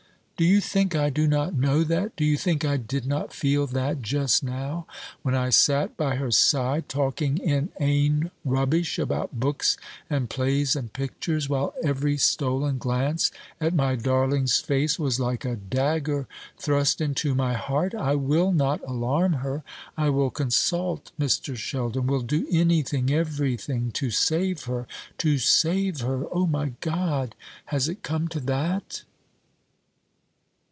"Do you think I do not know that? Do you think I did not feel that just now, when I sat by her side, talking inane rubbish about books and plays and pictures, while every stolen glance at my darling's face was like a dagger thrust into my heart? I will not alarm her. I will consult Mr. Sheldon will do anything, everything, to save her! To save her! O my God, has it come to that?"